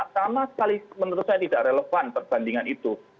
sama sekali menurut saya tidak relevan perbandingan itu